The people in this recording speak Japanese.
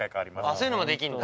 そういうのもできんだ。